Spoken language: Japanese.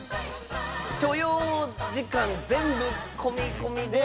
所要時間全部込み込みで